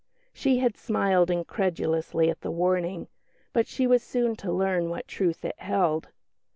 She had smiled incredulously at the warning, but she was soon to learn what truth it held.